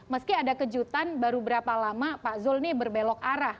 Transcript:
meski ada kejutan baru berapa lama pak zul ini berbelok arah